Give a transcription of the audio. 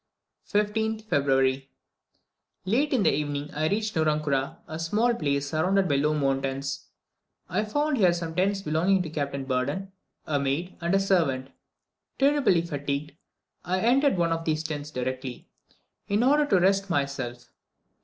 15th February. Late in the evening I reached Nurankura, a small place surrounded by low mountains. I found here some tents belonging to Captain Burdon, a maid, and a servant. Terribly fatigued, I entered one of the tents directly, in order to rest myself.